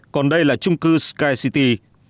còn đây là trung cư sky city